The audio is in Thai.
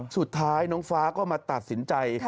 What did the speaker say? สุดท้ายน้องฟ้าก็มาตัดสินใจ